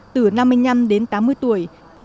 từ năm mươi năm đến tám mươi tuổi